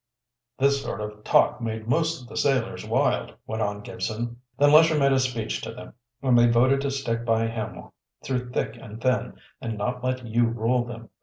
"This sort of talk made most of the sailors wild," went on Gibson. "Then Lesher made a speech to them, and they voted to stick by him through thick and thin and not let you rule them.